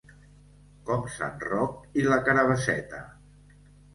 Com sant Roc i la carabasseta.